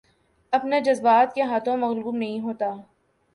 اپنے جذبات کے ہاتھوں مغلوب نہیں ہوتا